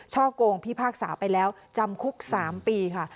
กงพิพากษาไปแล้วจำคุก๓ปีค่ะ